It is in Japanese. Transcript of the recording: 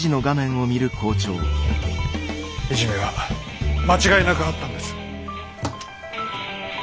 いじめは間違いなくあったんです。